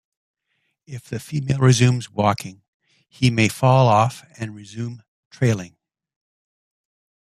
If the female resumes walking, he may fall off and resume trailing.